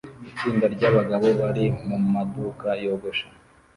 Itsinda ryabagabo bari mumaduka yogosha